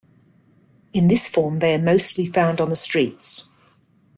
In this form they are mostly found on the streets.